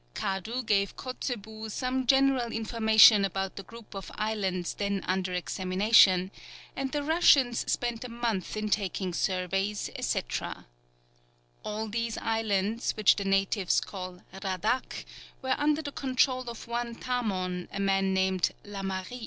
Kadu gave Kotzebue some general information about the group of islands then under examination, and the Russians spent a month in taking surveys, &c. All these islands, which the natives call Radack, were under the control of one tamon, a man named Lamary.